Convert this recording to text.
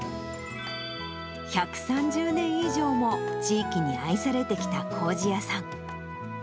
１３０年以上も地域に愛されてきたこうじ屋さん。